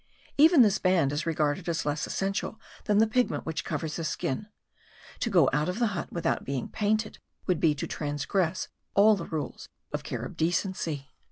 Even this band is regarded as less essential than the pigment which covers the skin. To go out of the hut without being painted, would be to transgress all the rules of Carib decency.